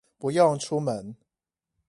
不用出門